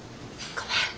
ごめん。